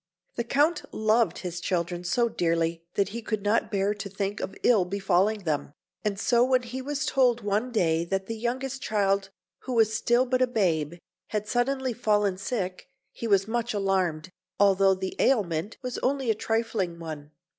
The Count loved his children so dearly that he could not bear to think of ill befalling them; and so, when he was told one day that the youngest child, who was still but a babe, had suddenly fallen sick, he was much alarmed, although the ailment was only a trifling one.